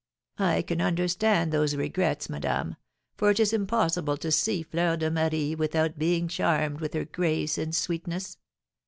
"I can understand those regrets, madame, for it is impossible to see Fleur de Marie without being charmed with her grace and sweetness.